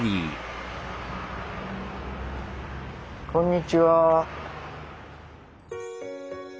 こんにちは。